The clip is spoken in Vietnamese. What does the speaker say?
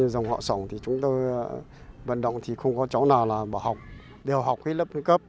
dòng họ sổng chúng tôi vận động thì không có cháu nào bỏ học đều học hết lớp hết cấp